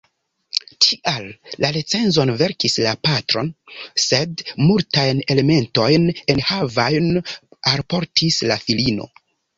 Tial la recenzon verkis la patro, sed multajn elementojn enhavajn alportis la filino.